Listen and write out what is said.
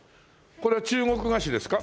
これは中国菓子ですか？